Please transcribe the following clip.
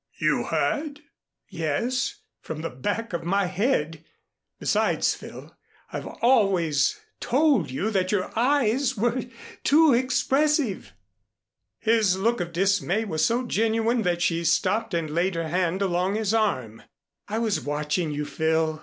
"You heard?" "Yes, from the back of my head. Besides, Phil, I've always told you that your eyes were too expressive." His look of dismay was so genuine that she stopped and laid her hand along his arm. "I was watching you, Phil.